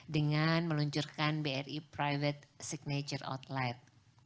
dengan meluncurkan bri private signature outlet